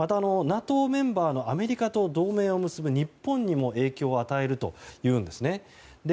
また、ＮＡＴＯメンバーのアメリカと同盟を結ぶ日本にも影響を与えるというんですね。